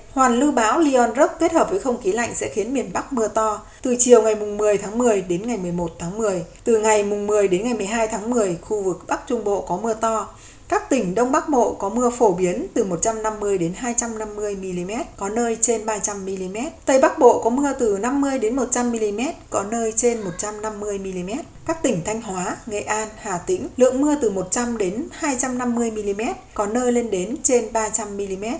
hoàn lưu báo lyon rock kết hợp với không khí lạnh sẽ khiến miền bắc mưa to từ chiều ngày một mươi tháng một mươi đến ngày một mươi một tháng một mươi từ ngày một mươi đến ngày một mươi hai tháng một mươi khu vực bắc trung bộ có mưa to các tỉnh đông bắc bộ có mưa phổ biến từ một trăm năm mươi hai trăm năm mươi mm có nơi trên ba trăm linh mm tây bắc bộ có mưa từ năm mươi một trăm linh mm có nơi trên một trăm năm mươi mm các tỉnh thanh hóa nghệ an hà tĩnh lượng mưa từ một trăm linh hai trăm năm mươi mm có nơi lên đến trên ba trăm linh mm